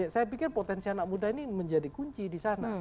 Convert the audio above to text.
saya pikir potensi anak muda ini menjadi kunci di sana